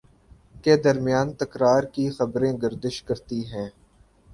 کے درمیان تکرار کی خبریں گردش کرتی ہیں